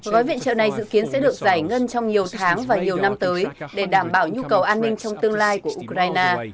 gói viện trợ này dự kiến sẽ được giải ngân trong nhiều tháng và nhiều năm tới để đảm bảo nhu cầu an ninh trong tương lai của ukraine